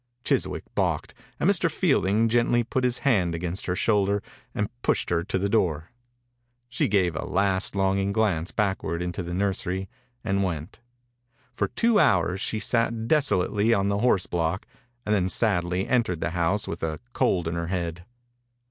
Chiswick balked and Mr. Fielding gently put his hand against her shoulder and pushed her to the door. She gave a last longing glance backward into the nursery and went. For two hours she sat desolately on the horse block and then sadly entered the house with a cold in her head.